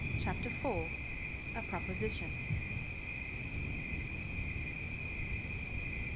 CHAPTER iv. A PROPOSITION.